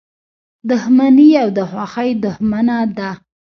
• دښمني د خوښۍ دښمنه ده.